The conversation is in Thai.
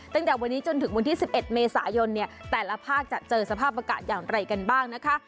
ตั้งแต่วันนี้จนถึงวันที่๑๑เมษายนเนี่ยแต่ละภาคจะเจอสภาพอากาศอย่างไรกันบ้างนะคะ